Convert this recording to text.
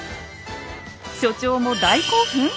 所長も大興奮？